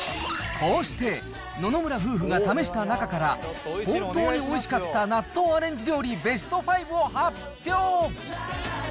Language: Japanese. こうして、野々村夫婦が試した中から、本当においしかった納豆アレンジ料理ベスト５を発表。